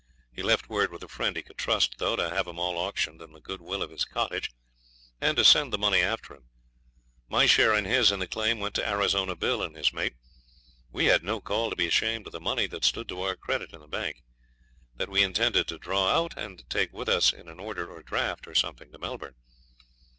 He left word with a friend he could trust, though, to have 'em all auctioned and the goodwill of his cottage, and to send the money after him. My share and his in the claim went to Arizona Bill and his mate. We had no call to be ashamed of the money that stood to our credit in the bank. That we intended to draw out, and take with us in an order or a draft, or something, to Melbourne.